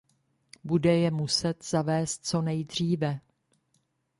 Bude je muset zavést co nejdříve.